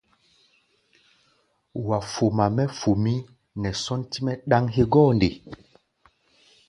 Wa foma mɛ́ fomí nɛ sɔ́ntí-mɛ́ ɗáŋ hégɔ́ʼɛ nde?